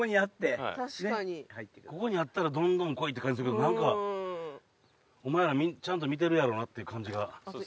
ここにあったら「どんどん来い」って感じするけど何か「お前らちゃんと見てるやろな」って感じが。